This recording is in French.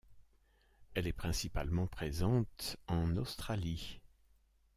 Elle est principalement présente en Australie.